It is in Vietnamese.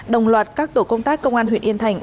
đồng loạt các tổ công tác công an huyện yên thành